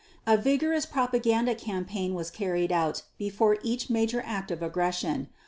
A vigorous propaganda campaign was carried out before each major act of aggression.